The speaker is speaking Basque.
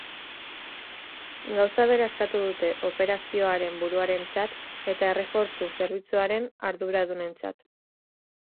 Gauza bera eskatu dute operazioaren buruarentzat eta errefortzu zerbitzuaren arduradunentzat.